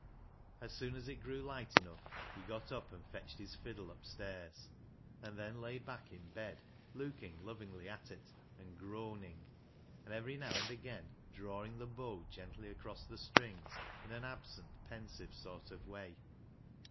As soon as it grew light enough he got up and fetched his fiddle upstairs, and then lay back in bed looking lovingly at it and groaning, and every now and again drawing the bow gently across the strings in an absent, pensive sort of way.